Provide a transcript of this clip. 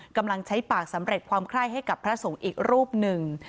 กำลังใช้ปากสำเร็จความไคร้ให้กับพระสงฆ์อีกรูปหนึ่ง